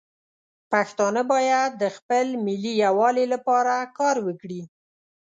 پښتانه باید د خپل ملي یووالي لپاره کار وکړي.